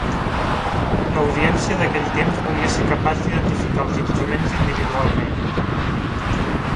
L’audiència d’aquell temps volia ser capaç d’identificar els instruments individualment.